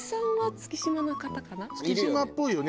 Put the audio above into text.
月島っぽいよね